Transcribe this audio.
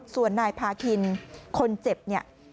ส่วนนายพาคินคนเจ็บเนี่ย